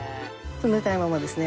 冷たいままですね。